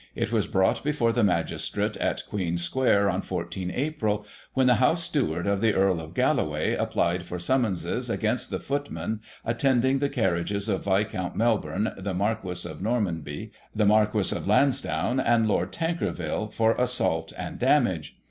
It was brought before the Magistrate at Queen Square on 14 April, when the House Steward of the Earl of Galloway applied for summonses against the footmen attend ing the carriages of Viscount Melbourne, the Marquis of Normanby, the Marquis of Lansdowne and Lord Tankerville, for assault and damage.